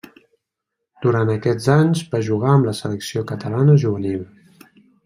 Durant aquests anys va jugar amb la selecció catalana juvenil.